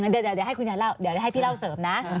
เดี๋ยวให้คุณยายเล่าเดี๋ยวให้พี่เล่าเสริมนะ